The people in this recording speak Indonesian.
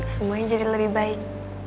semuanya jadi lebih baik